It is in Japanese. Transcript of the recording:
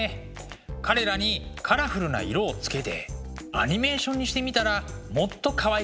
彼らにカラフルな色をつけてアニメーションにしてみたらもっとかわいくなったりして。